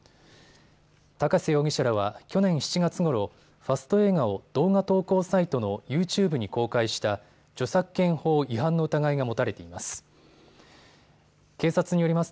高瀬容疑者らは去年７月ごろ、ファスト映画を動画投稿サイトのＹｏｕＴｕｂｅに公開した著作権法違反の疑いが持たれています。